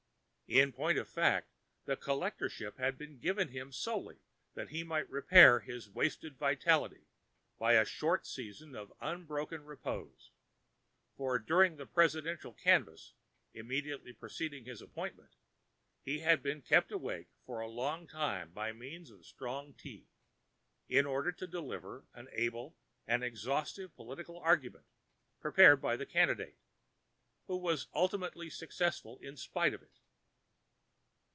In point of fact, the Collectorship had been given him solely that he might repair his wasted vitality by a short season of unbroken repose; for during the Presidential canvass immediately preceding his appointment he [pg 177] had been kept awake a long time by means of strong tea, in order to deliver an able and exhaustive political argument prepared by the candidate, who was ultimately successful in spite of it.